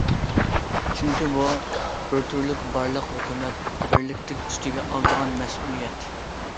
چۈنكى بۇ بىر تۈرلۈك« بارلىق ھۆكۈمەت بىرلىكتە ئۈستىگە ئالىدىغان مەسئۇلىيەت».